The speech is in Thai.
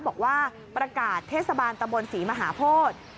บอกว่าประกาศเทศบาลตะบนศรีมหาโพธิ